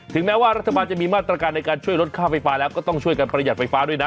แม้ว่ารัฐบาลจะมีมาตรการในการช่วยลดค่าไฟฟ้าแล้วก็ต้องช่วยกันประหยัดไฟฟ้าด้วยนะ